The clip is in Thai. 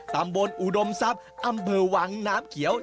อุดมทรัพย์อำเภอวังน้ำเขียว